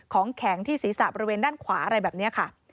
ของแข็งที่ศีรษะบริเวณด้านขวาอะไรแบบนี้ค่ะ